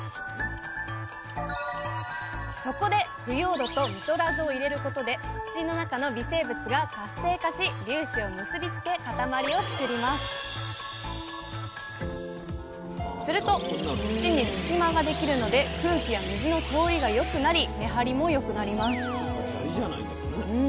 そこで腐葉土と実取らずを入れることで土の中の微生物が活性化し粒子を結び付け塊を作りますすると土に隙間ができるので空気や水の通りが良くなり根張りも良くなります